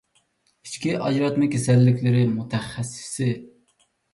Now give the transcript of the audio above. ئىچكى ئاجراتما كېسەللىكلىرى مۇتەخەسسىسى